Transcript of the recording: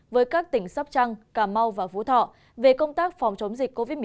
với các tỉnh sóc trăng cà mau và phú thọ về công tác phòng chống dịch covid một mươi chín